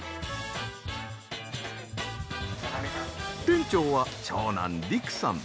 店長は長男璃育さん。